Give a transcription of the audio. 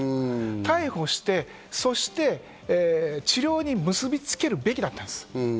逮捕して、そして治療に結びつけるべきだったんです。